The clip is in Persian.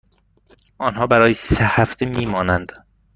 آنها برای سه هفته می مانند.